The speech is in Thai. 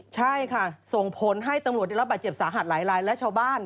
ใช่ค่ะส่งผลให้ตำรวจได้รับบาดเจ็บสาหัสหลายลายและชาวบ้าน